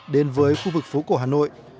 đến với khu vực phố cổ hà nội